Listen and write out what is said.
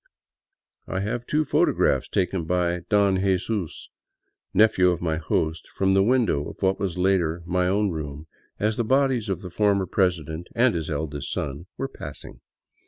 " I have two photographs taken by Don Jesus, nephew of my host, from the window of what was later my own room, as the bodies of the former president and his eldest son were passing.